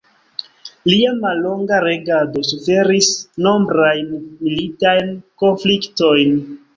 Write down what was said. Lia mallonga regado suferis nombrajn militajn konfliktojn.